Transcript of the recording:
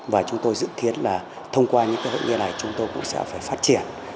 và chúng tôi dự kiến là thông qua những hội nghị này chúng tôi cũng sẽ phải phát triển